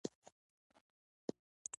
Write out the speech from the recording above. دا د الهي واکمنانو له پرځېدو سره هممهاله ده.